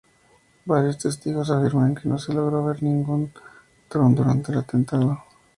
Varios testigos afirman que no se logró ver ningún dron durante el atentado.